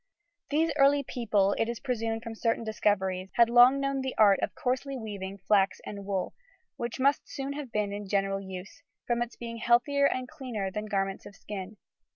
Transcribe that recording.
These early people, it is presumed from certain discoveries, had long known the art of coarsely weaving flax and wool, which must soon have been in general use, from its being healthier and cleaner than the garments of skin.